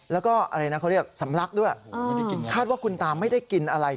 แล้วก็อะไรนะเขาเรียกสำลักด้วยไม่ได้กินคาดว่าคุณตาไม่ได้กินอะไร